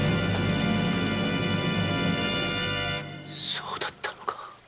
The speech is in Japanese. そうだったのか！